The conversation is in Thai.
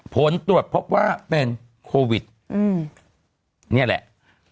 ผลตรวจพบว่าเป็นโควิดนี่แหละ